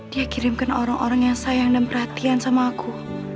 dia kirimkan orang orang yang sayang dan perhatian sama aku